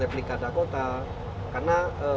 replika dakota karena